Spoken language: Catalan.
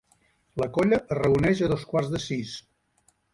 La colla es reuneix a dos quarts de sis.